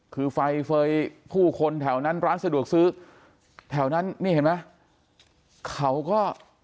คือไฟเฟย์ผู้คนแถวนั้นร้านสะดวกซื้อแถวนั้นนี่เห็นไหมเขาก็